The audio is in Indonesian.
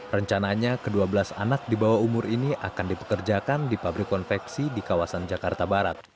rencananya ke dua belas anak di bawah umur ini akan dipekerjakan di pabrik konveksi di kawasan jakarta barat